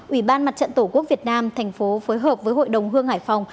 ủy ban mặt trận tổ quốc việt nam thành phố phối hợp với hội đồng hương hải phòng